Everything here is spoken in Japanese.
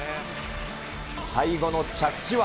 最後の着地は。